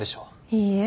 いいえ。